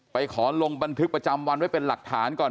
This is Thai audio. ไปขอลงบันทึกประจำวันไว้เป็นหลักฐานก่อน